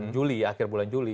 juli akhir bulan juli